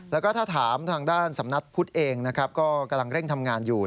แล้วก็ถ้าถามทางด้านสำนักพุทธเองนะครับก็กำลังเร่งทำงานอยู่